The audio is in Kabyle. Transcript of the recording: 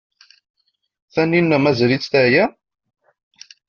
Taninna mazal-itt teɛya?